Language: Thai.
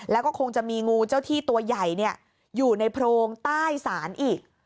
แล้วก็คงจะมีงูเจ้าที่ตัวใหญ่อยู่ในโพรงใต้ศาลอีก